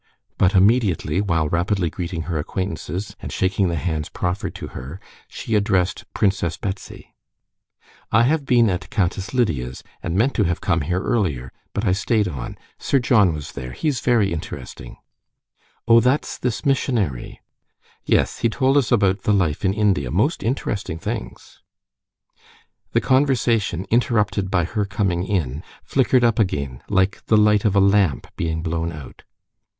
But immediately, while rapidly greeting her acquaintances, and shaking the hands proffered to her, she addressed Princess Betsy: "I have been at Countess Lidia's, and meant to have come here earlier, but I stayed on. Sir John was there. He's very interesting." "Oh, that's this missionary?" "Yes; he told us about the life in India, most interesting things." The conversation, interrupted by her coming in, flickered up again like the light of a lamp being blown out.